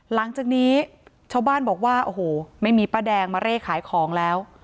หลังจากนี้ชาวบ้านบอกว่าโอ้โหไม่มีป้าแดงมาเร่ขายของแล้ว